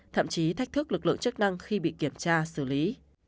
thậm chí thách thức lực lượng chức năng khi bị kiểm tra xử lý